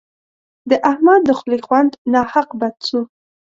د احمد د خولې خوند ناحق بد سو.